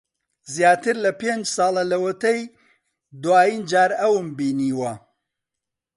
زیاتر لە پێنج ساڵە لەوەتەی دوایین جار ئەوم بینیوە.